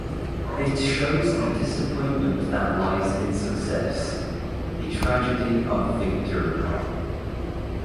It shows the disappointment that lies in success, the tragedy of victory.